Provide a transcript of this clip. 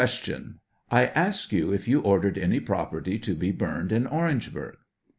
I ask you if you ordered any property to be burn ed in Orangeburg? A.